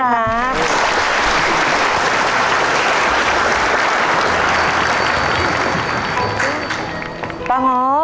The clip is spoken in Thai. จากนี่กลับราชบุรีนะครับ